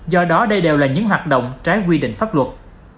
do đó đây đều là những hoạt động trái quy định pháp luật